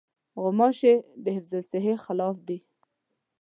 غوماشې د حفظالصحې خلاف دي.